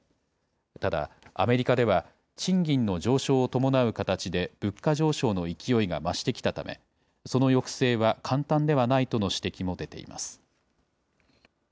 ただ、アメリカでは、賃金の上昇を伴う形で物価上昇の勢いが増してきたため、その抑制は簡単ではないとの指摘も出ています。